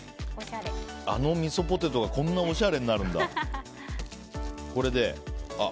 あのみそポテトがこんなおしゃれになるんだ。